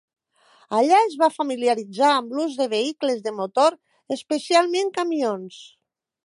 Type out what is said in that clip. Allà es va familiaritzar amb l'ús de vehicles de motor, especialment camions.